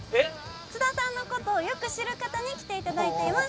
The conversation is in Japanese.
津田さんのことをよく知る方に来ていただいています。